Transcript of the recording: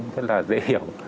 rất là dễ hiểu